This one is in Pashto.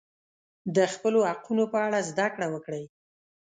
د خپلو حقونو په اړه زده کړه وکړئ.